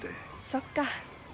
そっか。